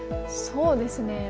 そうですね。